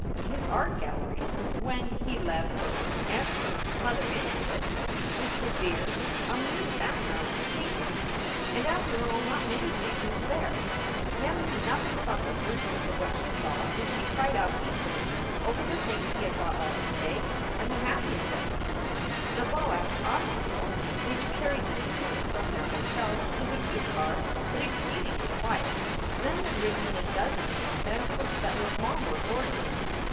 His art gallery, when he led her and her SOULS FOR SALE 389 mother into it, was severe, a mere background for paintings; and, after all, not many paintings there. Mem knew noth ing about the virtues of what she saw and she cried out equally over the things he had bought by mistake and the happy investments. The Boas automobile, which carried them to and from their hotel, was a good car, but exceedingly quiet. Mem had ridden in a dozen in Los Angeles that were far more gorgeous.